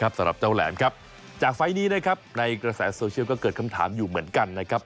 สำหรับเจ้าแหลมครับจากไฟล์นี้นะครับในกระแสโซเชียลก็เกิดคำถามอยู่เหมือนกันนะครับ